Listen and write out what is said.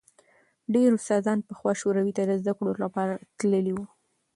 ډېر استادان پخوا شوروي ته د زدکړو لپاره تللي وو.